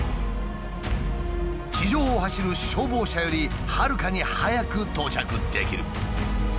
地上を走る消防車よりはるかに早く到着できる。